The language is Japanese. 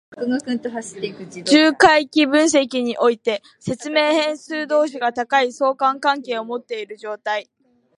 重回帰分析において、説明変数同士が高い相関関係を持っている状態。